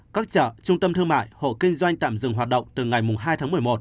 các chợ trung tâm thương mại hộ kinh doanh tạm dừng hoạt động từ ngày hai tháng một mươi một